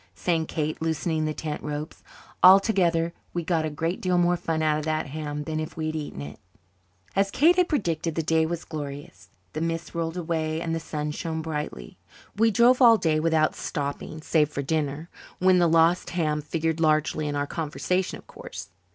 sang Kate, loosening the tent ropes. Altogether, we got a great deal more fun out of that ham than if we had eaten it. As Kate had predicted, the day was glorious. The mists rolled away and the sun shone brightly. We drove all day without stopping, save for dinner when the lost ham figured largely in our conversation of course.